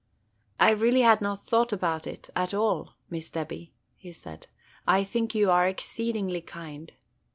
"I really had not thought about it at all, Miss Debby," he said. "I think you are exceedingly kind."